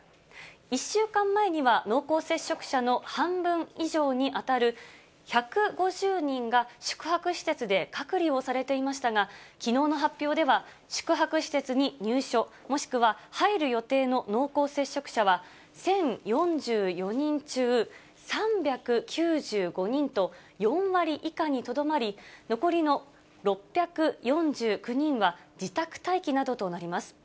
１週間前には濃厚接触者の半分以上に当たる１５０人が、宿泊施設で隔離をされていましたが、きのうの発表では、宿泊施設に入所、もしくは入る予定の濃厚接触者は、１０４４人中３９５人と、４割以下にとどまり、残りの６４９人は、自宅待機などとなります。